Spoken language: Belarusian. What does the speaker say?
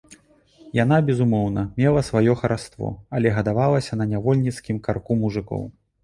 Яна, безумоўна, мела сваё хараство, але гадавалася на нявольніцкім карку мужыкоў.